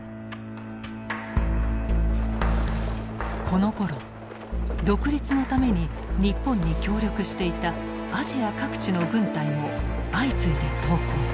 このころ独立のために日本に協力していたアジア各地の軍隊も相次いで投降。